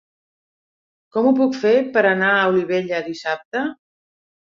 Com ho puc fer per anar a Olivella dissabte?